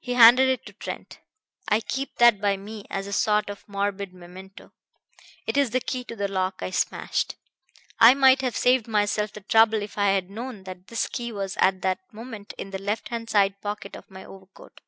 He handed it to Trent. "I keep that by me as a sort of morbid memento. It is the key to the lock I smashed. I might have saved myself the trouble if I had known that this key was at that moment in the left hand side pocket of my overcoat.